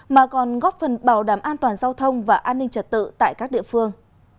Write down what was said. mà còn góp phần bảo đảm an toàn giao thông và an ninh trật tự tại các địa phương